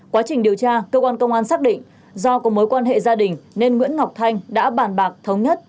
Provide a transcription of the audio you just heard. quá trình điều tra cơ quan công an xác định do có mối quan hệ gia đình nên nguyễn ngọc thanh đã bàn bạc thống nhất